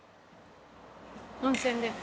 温泉です。